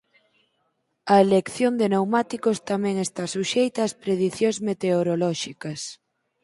A elección de pneumáticos tamén esta suxeita ás predicións meteorolóxicas.